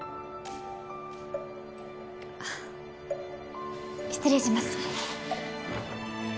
あっ失礼します。